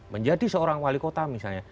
menjadi seorang wali kota misalnya